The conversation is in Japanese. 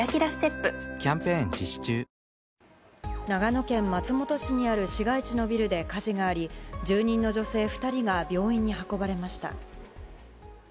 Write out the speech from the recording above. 長野県松本市にある市街地のビルで火事があり住人の女性２人が病院に運ばれました。